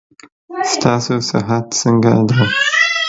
ستاسو صحت څنګه ده.